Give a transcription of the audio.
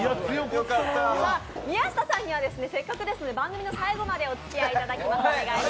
宮下さんには、せっかくですので番組の最後までおつきあいいただきます。